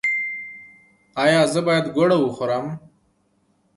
ایا زه باید ګوړه وخورم؟